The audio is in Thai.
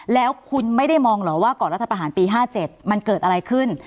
แล้วคุณไม่ได้มองเหรอว่าก่อนรัฐประหารปี๕๗มันเกิดอะไรขึ้น